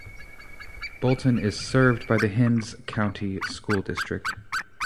Bolton is served by the Hinds County School District.